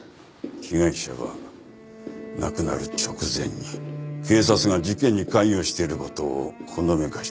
被害者は亡くなる直前に警察が事件に関与している事をほのめかしたそうだね。